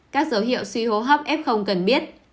các dấu hiệu suy hô hấp ép không cần biết